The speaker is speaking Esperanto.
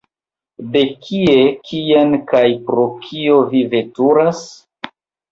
De kie, kien kaj pro kio vi veturas?